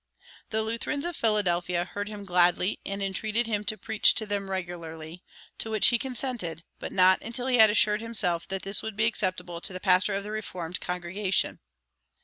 "[190:1] The Lutherans of Philadelphia heard him gladly and entreated him to preach to them regularly; to which he consented, but not until he had assured himself that this would be acceptable to the pastor of the Reformed congregation.